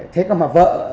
thế còn mà vợ